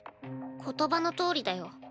言葉のとおりだよ。